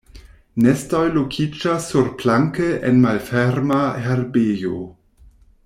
Nestoj lokiĝas surplanke en malferma herbejo.